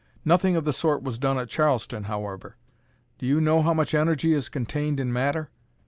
Nothing of the sort was done at Charleston, however. Do you know how much energy is contained in matter?